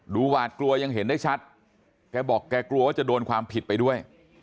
หวาดกลัวยังเห็นได้ชัดแกบอกแกกลัวว่าจะโดนความผิดไปด้วย